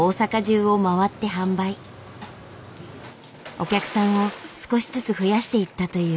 お客さんを少しずつ増やしていったという。